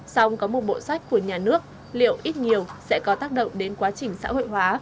xong có một bộ sách của nhà nước liệu ít nhiều sẽ có tác động đến quá trình xã hội hóa